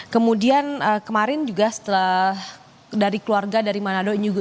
kemudian kemarin juga setelah dari keluarga dari manado ini